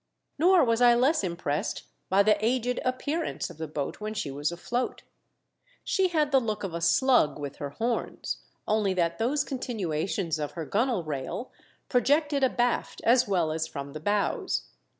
Nor was I less impressed by the aged appearance of the boat when she was afloat. She had the look of a slug with her horns, only that those continuations of her gunnel rail pro jected abaft as well as from the bows.